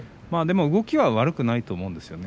でも動きは悪くないと思います。